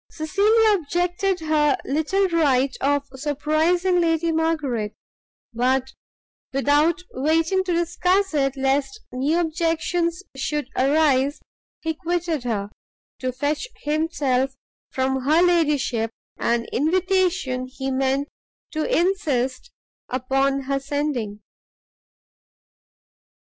Cecilia objected her little right of surprising Lady Margaret; but, without waiting to discuss it, lest new objections should arise, he quitted her, to fetch himself from her ladyship an invitation he meant to insist upon her sending.